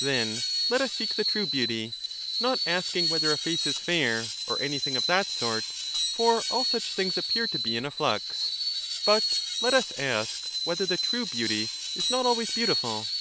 Then let us seek the true beauty : not asking whether a face is fair, or anything of that sort, for all such things appear to be in a flux ; but let us ask whether the true beauty is not always beautiful.